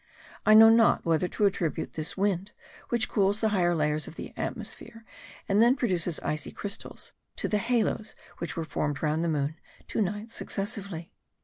I know not whether to attribute to this wind, which cools the higher layers of the atmosphere, and there produces icy crystals, the halos which were formed round the moon two nights successively.